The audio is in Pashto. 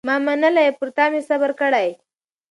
ما منلی یې پر تا مي صبر کړی